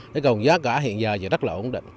thế còn giá cả hiện giờ rất là ổn định